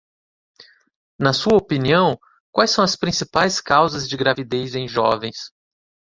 Na sua opinião, quais são as principais causas de gravidez em jovens?